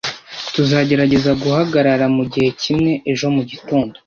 Tuzagerageza guhagarara mugihe kimwe ejo mugitondo.